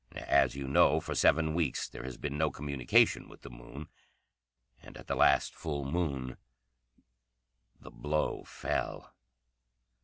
As you know, for seven weeks there has been no communication with the Moon. And at the last full moon the blow fell.